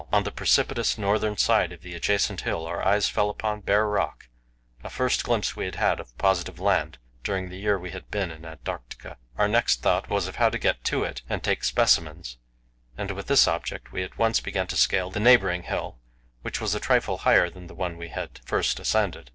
On the precipitous northern side of the adjacent hill our eyes fell upon bare rock the first glimpse we had had of positive land during the year we had been in Antarctica. Our next thought was of how to get to it and take specimens, and with this object we at once began to scale the neighbouring hill, which was a trifle higher than the one we had first ascended.